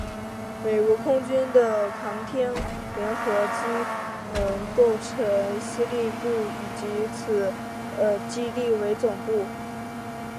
美国空军的航天联合机能构成司令部即以此基地为总部。